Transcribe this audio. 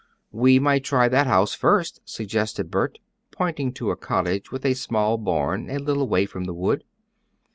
"We might try that house first," suggested Bert, pointing to a cottage with a small barn, a little way from the wood.